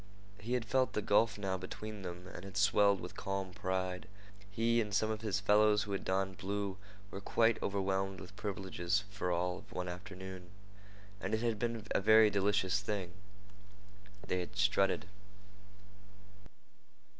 He had felt the gulf now between them and had swelled with calm pride. He and some of his fellows who had donned blue were quite overwhelmed with privileges for all of one afternoon, and it had been a very delicious thing. They had strutted.